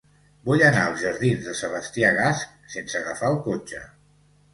Vull anar als jardins de Sebastià Gasch sense agafar el cotxe.